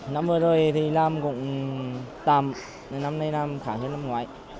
năm vừa rồi thì làm cũng tăm năm nay làm khá hơn năm ngoái